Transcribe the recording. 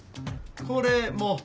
これも。